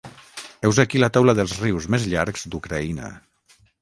Heus aquí la taula dels rius més llargs d'Ucraïna.